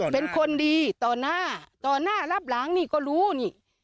เป็นคนดีต่อหน้าต่อหน้ารับหลังนี่ก็รู้นี่